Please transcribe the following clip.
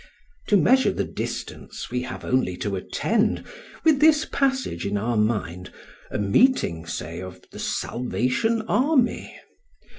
To measure the distance we have only to attend, with this passage in our mind, a meeting, say, of the "Salvation Army".